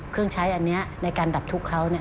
เครื่องใช้อันนี้ในการดับทุกข์เขา